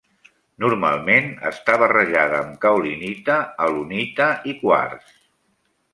Normalment està barrejada amb caolinita, alunita i quars.